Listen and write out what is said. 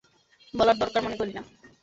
বলার দরকার মনে করিনা।